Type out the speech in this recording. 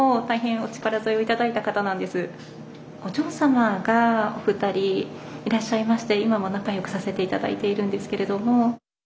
お嬢様がお二人いらっしゃいまして今も仲良くさせて頂いているんですけれども。